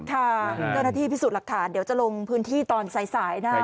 เจ้าหน้าที่พิสูจน์หลักฐานเดี๋ยวจะลงพื้นที่ตอนสายนะ